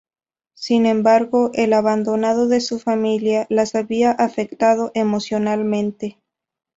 Sin embargo, el abandono de su familia las había afectado emocionalmente.